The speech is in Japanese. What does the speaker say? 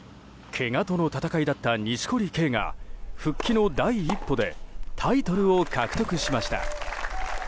けがとの闘いだった錦織圭が復帰の第一歩でタイトルを獲得しました。